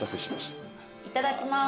いただきます。